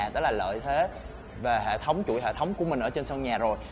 đó là lợi thế về hệ thống chuỗi hệ thống của mình ở trên sân nhà rồi